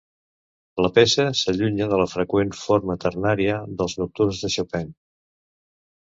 La peça s'allunya de la freqüent forma ternària dels nocturns de Chopin.